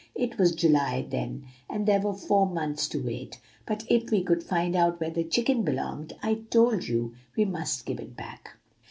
"It was July then, and there were four months to wait; but if we could find out where the chicken belonged, I told you, we must give it back."